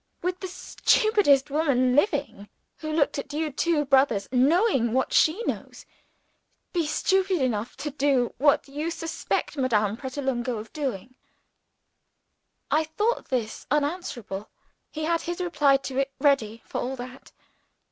Would the stupidest woman living, who looked at you two brothers (knowing what she knows), be stupid enough to do what you suspect Madame Pratolungo of doing?" I thought this unanswerable. He had his reply to it ready, for all that.